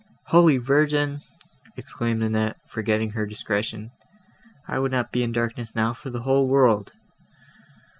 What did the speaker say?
"Holy Virgin!" exclaimed Annette, forgetting her discretion, "I would not be in darkness now for the whole world."